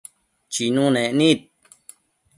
Chinunec nid